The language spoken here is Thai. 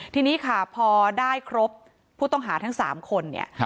ทีนี้ค่ะพอได้ครบผู้ต้องหาทั้ง๓คนเนี่ย